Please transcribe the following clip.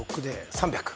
３００。